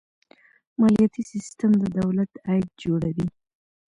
مالیاتي سیستم د دولت عاید جوړوي.